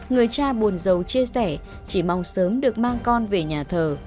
người cha buồn giàu chia sẻ chỉ mong sớm được mang con về nhà thờ